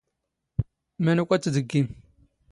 ⵎⴰⵏⵓⴽ ⴰⴷ ⵜⵜ ⵜⴷⴳⴳⵉⵎ?